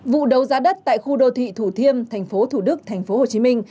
vụ đấu giá đất tại khu đô thị thủ thiêm thành phố thủ đức thành phố hồ chí minh